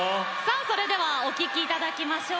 それではお聴きいただきましょう。